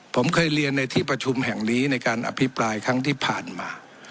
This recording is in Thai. ผมเคยเรียนในที่ประชุมแห่งนี้ในการอภิปรายครั้งที่ผ่านมา